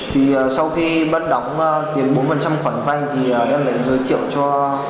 thì sau khi bắt đóng tiền bốn khoản vay thì em lại giới thiệu cho